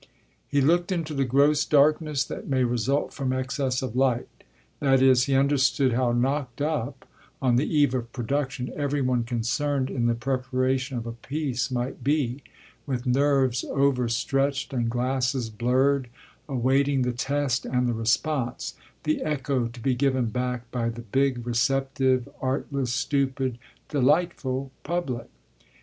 He looked into the gross darkness that may result from excess of light; that is, he understood how knocked up, on the eve of production, every one concerned in the preparation of a piece might be, with nerves overstretched and glasses blurred, awaiting the test and the response, the echo to be given back by the big, receptive, artless, stupid, delightful public.